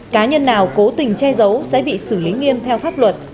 cá nhân nào cố tình che giấu sẽ bị xử lý nghiêm theo pháp luật